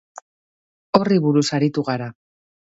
Horri buruz aritu gara.